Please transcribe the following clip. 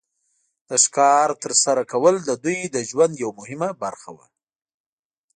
د ښکار تر سره کول د دوی د ژوند یو مهمه برخه وه.